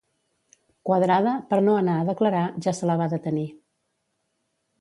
Quadrada, per no anar a declarar, ja se la va detenir.